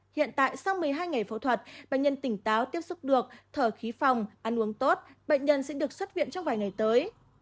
hiện tại sau một mươi hai ngày phẫu thuật bệnh nhân tỉnh táo tiếp xúc được thở khí phòng ăn uống tốt bệnh nhân sẽ được xuất viện trong vài ngày tới